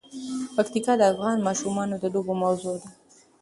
پکتیکا د افغان ماشومانو د لوبو موضوع ده.